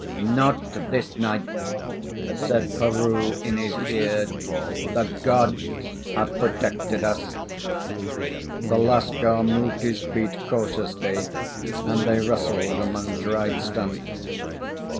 "Not this night," said Peroo, in his ear. "The Gods have protected us." The Lascar moved his feet cautiously, and they rustled among dried stumps.